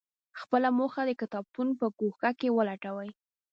خپله موخه دې د کتابتون په ګوښه کې ولټوي.